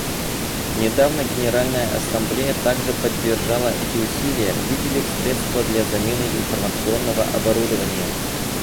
Недавно Генеральная Ассамблея также поддержала эти усилия, выделив средства для замены информационного оборудования.